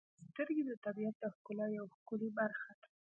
• سترګې د طبیعت د ښکلا یو ښکلی برخه ده.